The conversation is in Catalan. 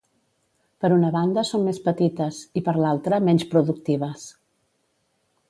Per una banda, són més petites i, per l'altra, menys productives.